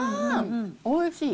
おいしい。